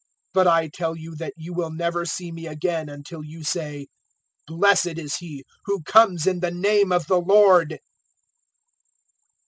But I tell you that you will never see me again until you say, `Blessed is He who comes in the name of the Lord!'"